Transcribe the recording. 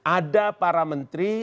ada para menteri